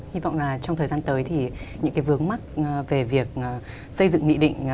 hy vọng là trong thời gian tới thì những cái vướng mắt về việc xây dựng nghị định